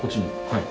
はい。